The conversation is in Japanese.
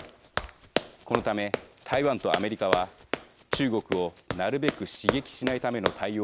このため台湾とアメリカは中国をなるべく刺激しないための対応を取りました。